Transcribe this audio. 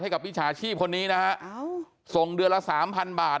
กับวิชาชีพคนนี้นะฮะส่งเดือนละสามพันบาท